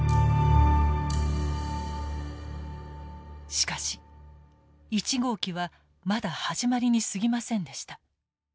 しかし１号機はまだ始まりにすぎませんでした。